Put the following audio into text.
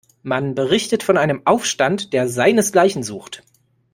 Man berichtet von einem Aufstand, der seinesgleichen sucht.